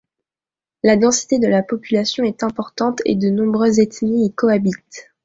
La densité de population est importante et de nombreuses ethnies y cohabitent.